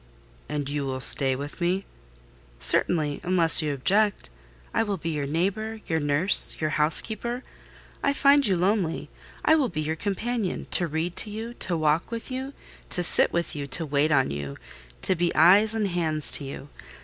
"And you will stay with me?" "Certainly—unless you object. I will be your neighbour, your nurse, your housekeeper. I find you lonely: I will be your companion—to read to you, to walk with you, to sit with you, to wait on you, to be eyes and hands to you.